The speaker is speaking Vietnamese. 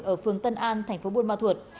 ở phường tân an tp buôn ma thuột